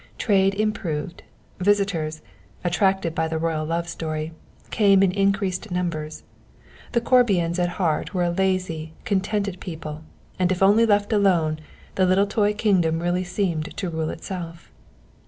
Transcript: Trade improved, visitors, attracted by the royal love story, came in increased numbers. The Corbians at heart were a lazy, contented people, and if only left alone the little toy kingdom really seemed to rule itself.